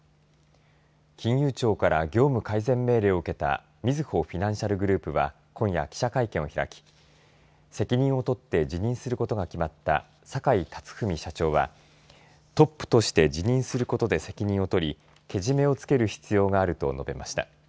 金融庁から業務改善命令を受けたみずほフィナンシャルグループは今夜、記者会見を開き責任をとって辞任することが決まった坂井辰史社長はトップとして辞任することで責任を取りけじめをつける必要があると述べました。